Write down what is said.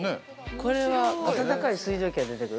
◆これは温かい水蒸気が出てくる？